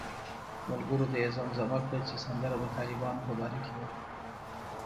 ملګرو ته یې زمزمه کړه چې سندره د طالبانو په باره کې وه.